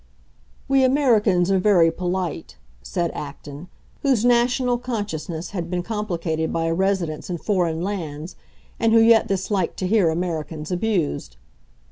"We Americans are very polite," said Acton, whose national consciousness had been complicated by a residence in foreign lands, and who yet disliked to hear Americans abused.